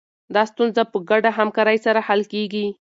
دا ستونزه په ګډه همکارۍ سره حل کېږي.